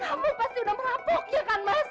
kamu pasti udah merapuk ya kan mas